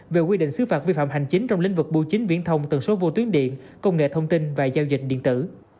về quy định xứ phạt vi phạm hành chính trong lĩnh vực bưu chính viễn thông tần số vô tuyến điện công nghệ thông tin và giao dịch điện tử